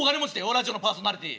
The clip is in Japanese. ラジオのパーソナリティー。